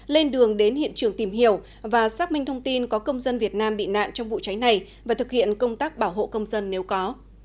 lên đường đến hiện trường tìm hiểu và xác minh thông tin có công dân việt nam bị nạn trong vụ cháy này và thực hiện công tác bảo hộ công dân nếu có